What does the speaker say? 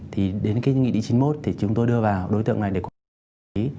thì đến cái nghị định chín mươi một thì chúng tôi đưa vào đối tượng này để quảng cáo